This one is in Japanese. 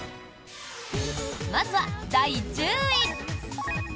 まずは第１０位。